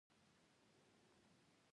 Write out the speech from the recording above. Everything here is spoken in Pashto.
احمد ته چې مازي نغوته شوي؛ دی جوړنګان کاږي.